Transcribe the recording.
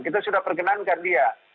kita sudah perkenankan dia